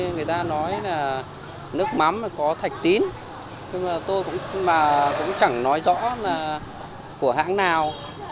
nói ra là nước mắm có thạch tín nhưng mà tôi cũng chẳng nói rõ là của hãng nào